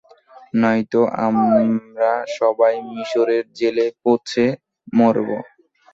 নয়তো আমরা সবাই মিশরের জেলে পচে মরব।